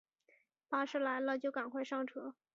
巴士来了就赶快上车